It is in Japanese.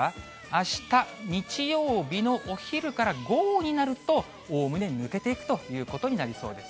あした日曜日のお昼から午後になると、おおむね抜けていくということになりそうです。